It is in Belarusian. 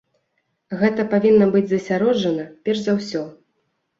Гэта павінна быць засяроджана перш за ўсё.